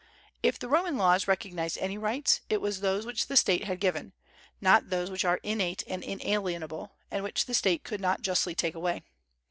If the Roman laws recognized any rights, it was those which the State had given, not those which are innate and inalienable, and which the State could not justly take away.